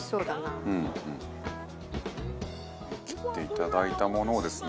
齊藤：切っていただいたものをですね